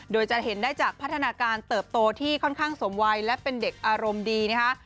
โดยจะเห็นได้จากพัฒนาการเติบโตที่ค่อนข้างสมวัยและเป็นเด็กอารมณ์ดีนะคะ